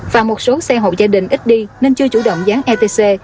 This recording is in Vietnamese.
và một số xe hộ gia đình ít đi nên chưa chủ động dán etc